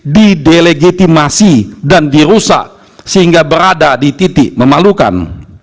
didelegitimasi dan dirusak sehingga berada di titik memalukan